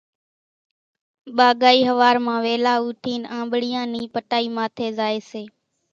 ٻاگھائِي ۿوار مان ويلا اوٺينَ آنٻڙِيئان نِي پٽائِي ماٿيَ زائيَ سي۔